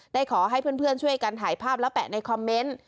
ขอให้เพื่อนช่วยกันถ่ายภาพและแปะในคอมเมนต์